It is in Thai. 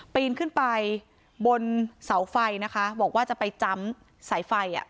ปีนขึ้นไปบนเสาไฟนะคะบอกว่าจะไปจำสายไฟอ่ะ